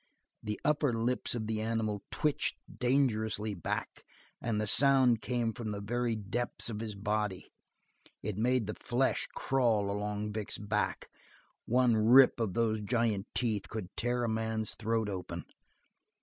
The upper lips of the animal twitched dangerously back and the sound came from the very depths of his body. It made the flesh crawl along Vic's back; one rip of those great teeth could tear a man's throat open.